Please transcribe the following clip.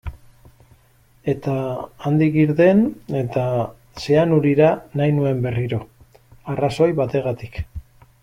Eta handik irten eta Zeanurira nahi nuen berriro, arrazoi bategatik.